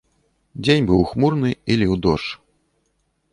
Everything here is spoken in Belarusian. Дзень быў хмурны, і ліў дождж.